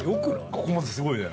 ここまですごいね。